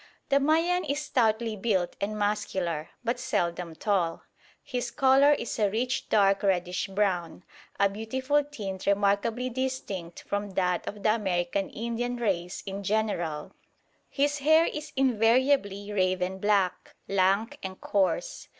The Mayan is stoutly built and muscular, but seldom tall. His colour is a rich dark reddish brown a beautiful tint remarkably distinct from that of the American Indian race in general. His hair is invariably raven black, lank and coarse.